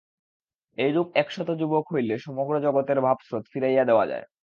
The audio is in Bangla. এইরূপ একশত যুবক হইলে সমগ্র জগতের ভাবস্রোত ফিরাইয়া দেওয়া যায়।